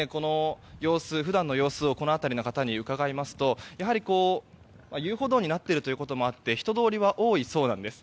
普段の様子をこの辺りの方に伺いますとやはり遊歩道になっていることもあって人通りは多いそうです。